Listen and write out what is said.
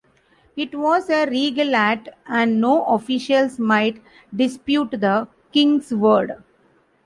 It was a regal act, and no official might dispute the king's word.